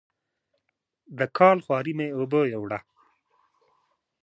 د کال خواري مې اوبو یووړه.